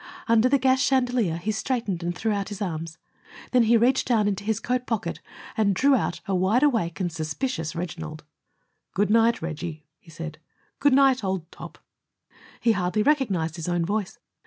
Under the gas chandelier, he straightened and threw out his arms. Then he reached down into his coat pocket and drew out a wide awake and suspicious Reginald. "Good night, Reggie!" he said. "Good night, old top!" He hardly recognized his own voice.